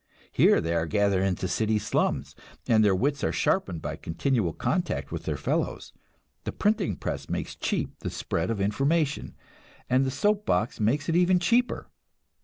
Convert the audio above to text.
Here they are gathered into city slums, and their wits are sharpened by continual contact with their fellows. The printing press makes cheap the spread of information, and the soap box makes it even cheaper.